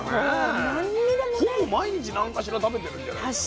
ほぼ毎日何かしら食べてるんじゃないですか。